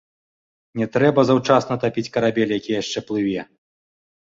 Не трэба заўчасна тапіць карабель, які яшчэ плыве.